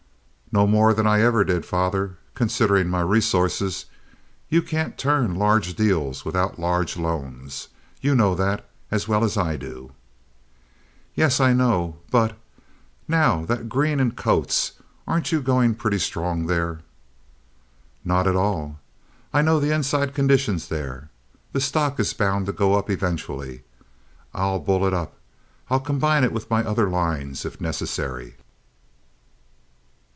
"No more than I ever did, father, considering my resources. You can't turn large deals without large loans. You know that as well as I do." "Yes, I know, but—now that Green and Coates—aren't you going pretty strong there?" "Not at all. I know the inside conditions there. The stock is bound to go up eventually. I'll bull it up. I'll combine it with my other lines, if necessary."